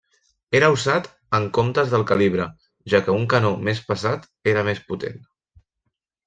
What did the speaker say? Era usat en comptes del calibre, ja que un canó més pesat era més potent.